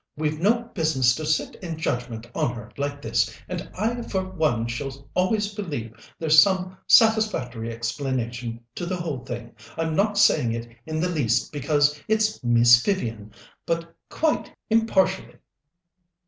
We've no business to sit in judgment on her like this, and I for one shall always believe there's some satisfactory explanation to the whole thing. I'm not saying it in the least because it's Miss Vivian, but quite impartially."